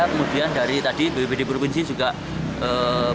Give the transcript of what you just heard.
kemudian dari tadi bppd provinsi juga menyiapkan